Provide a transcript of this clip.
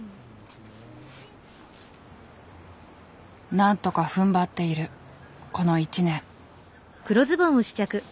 何とかふんばっているこの１年。